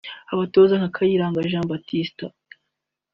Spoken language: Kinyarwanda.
abatoza nka Kayiranga Jean Baptista